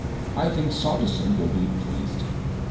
I think Saunderson will be pleased.